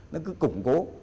nó cứ củng cố